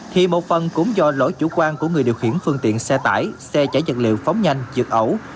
thì một phần cũng do lỗi chủ quan của người điều khiển phương tiện xe tải xe chảy dật liệu phóng nhanh dược ẩu